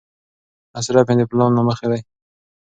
مصرف مې د پلان له مخې دی.